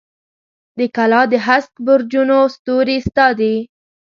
د کلا د هسک برجونو ستوري ستا دي